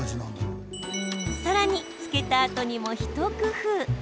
さらに、漬けたあとにも一工夫。